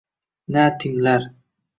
Na tinglar